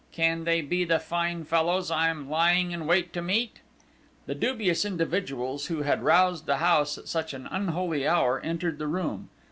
Can they be the fine fellows I am lying in wait to meet?" The dubious individuals who had roused the house at such an unholy hour entered the room.